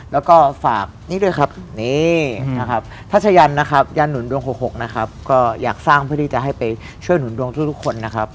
แล้วก็ฝากนี่ด้วยครับนี่นะครับทัชยันนะครับยันหนุนดวง๖๖นะครับก็อยากสร้างเพื่อที่จะให้ไปช่วยหนุนดวงทุกคนนะครับ